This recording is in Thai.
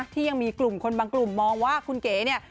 ที่ยังมีกลุ่มคนบางกลุ่มมองว่าคุณเก๋เนี่ย